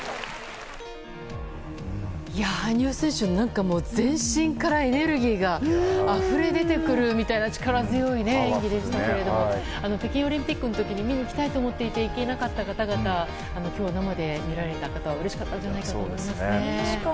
羽生選手、全身からエネルギーがあふれ出てくるみたいな力強い演技でしたけど北京オリンピックの時に見に行きたいと思っていて行けなかった方々、今日生で見られてうれしかったんじゃないでしょうか。